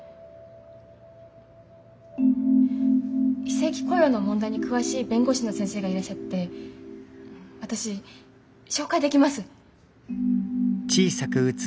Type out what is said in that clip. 非正規雇用の問題に詳しい弁護士の先生がいらっしゃって私紹介できます。